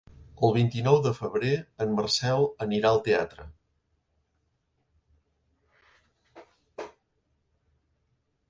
El vint-i-nou de febrer en Marcel anirà al teatre.